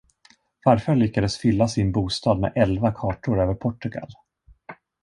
Farfar lyckades fylla sin bostad med elva kartor över Portugal.